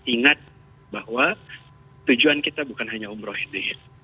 ingat bahwa tujuan kita bukan hanya umroh ini